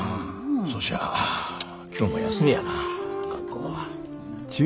そしゃ今日も休みやな学校は。